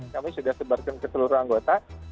kami sudah sebarkan ke seluruh anggota